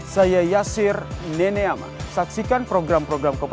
jadi jangan lupa untuk berikan komentar dan like